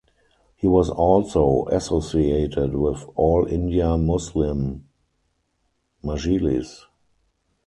He was also associated with All India Muslim Majlis.